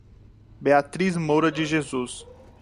Beatriz Moura de Jesus